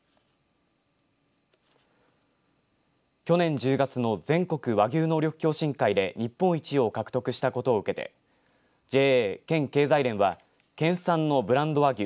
去年１０月の全国和牛能力共進会で日本一を獲得したことを受けてＪＡ県経済連は県産のブランド和牛